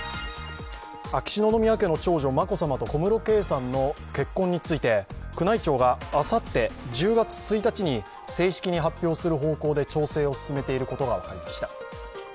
秋篠宮家の長女・眞子さまと小室圭さんの結婚について宮内庁があさって１０月１日に正式に発表する方向で調整を進めていることが分かりました。